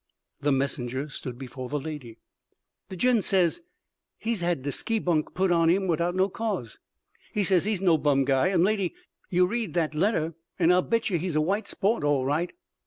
The messenger stood before the lady. "De gent says he's had de ski bunk put on him widout no cause. He says he's no bum guy; and, lady, yer read dat letter, and I'll bet yer he's a white sport, all right."